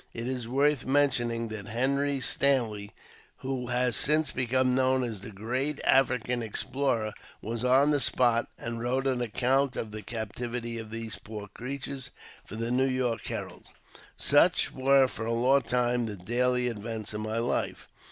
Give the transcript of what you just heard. It is worth mentioning that Henry Stan ley, who has since become known as the great African explorer, was on the spot, and wrote an account of the 'captivity of these poor creatures for the New York Herald, Such were for a long time the daily events of my life.